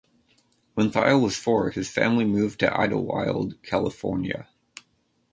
When Thile was four, his family moved to Idyllwild, California.